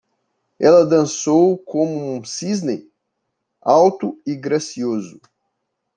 Ela dançou como um cisne? alto e gracioso.